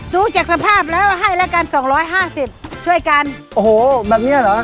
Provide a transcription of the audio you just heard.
ดูจากสภาพแล้วให้แล้วกันสองร้อยห้าสิบช่วยกันโอ้โหแบบเนี้ยเหรอ